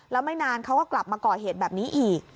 แล้วไม่นานเขาก็กลับมาก่อเหตุแบบนี้อีก